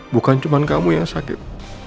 bukan cuma kamu yang sakit